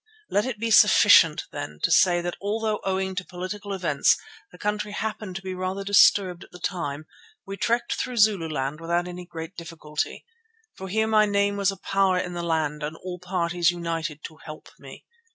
Let it be sufficient, then, to say that although owing to political events the country happened to be rather disturbed at the time, we trekked through Zululand without any great difficulty. For here my name was a power in the land and all parties united to help me.